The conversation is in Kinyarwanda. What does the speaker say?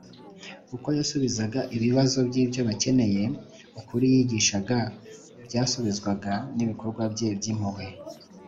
. Uko yasubizaga ibibazo by’ibyo bakeneye, ukuri yigishaga kwahuzwaga n’ibikorwa bye by’impuhwe